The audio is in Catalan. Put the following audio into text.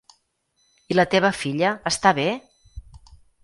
I la teva filla, està bé?